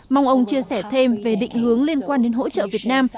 mong ông chia sẻ thêm về định hướng liên quan đến hỗ trợ việt nam